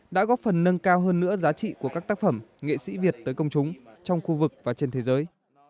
đã góp phần nâng cao hơn nữa giá trị của các tác phẩm nghệ sĩ việt tới công chúng trong khu vực và trên thế giới